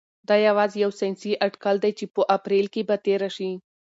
دا یوازې یو ساینسي اټکل دی چې په اپریل کې به تیره شي.